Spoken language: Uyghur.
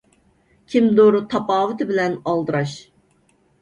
كىمدۇر «تاپاۋىتى» بىلەن ئالدىراش.